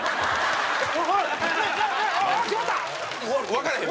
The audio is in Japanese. わからへん！